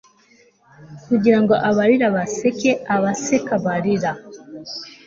Kugira ngo abarira baseke abaseka barira